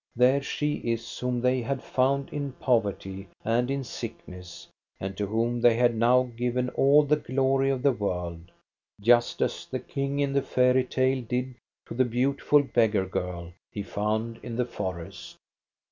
There she is whom they had found in poverty and in sickness, and to whom they had now given all the glory of the world, just as the king in the fairy tale did to the beautiful beggar girl he found in the forest.